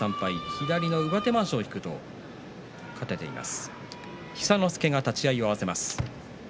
左の上手まわしを引くと勝っています。